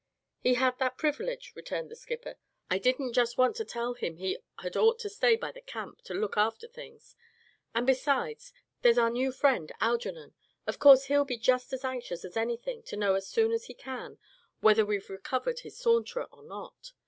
"He had that privilege," returned the skipper. "I didn't just want to tell him he had ought to stay by the camp, to look after things. And besides, there's our new friend, Algernon, of course he'll be just as anxious as anything to know as soon as he can whether we've recovered his Saunterer or not.